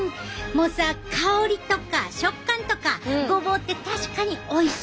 もうさ香りとか食感とかごぼうって確かにおいしい！